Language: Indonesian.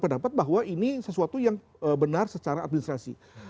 saya dapat bahwa ini sesuatu yang benar secara administrasi